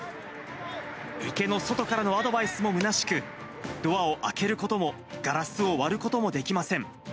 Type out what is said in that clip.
池の外からのアドバイスもむなしく、ドアを開けることも、ガラスを割ることもできません。